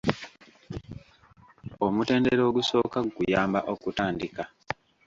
Omutendera ogusooka gukuyamba okutandika.